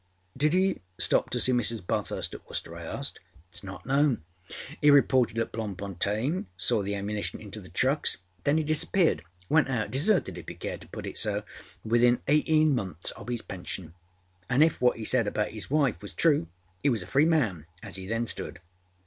â âDid he stop to see Mrs. Bathurst at Worcester?â I asked. âItâs not known. He reported at Bloemfontein, saw the ammunition into the trucks, and then âe disappeared. Went outâdeserted, if you care to put it soâwithin eighteen months of his pension, anâ if what âe said about âis wife was true he was a free man as âe then stood.